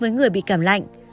với người bị cảm lạnh